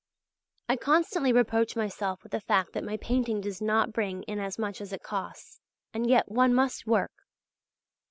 I constantly reproach myself with the fact that my painting does not bring in as much as it costs, and yet one must work.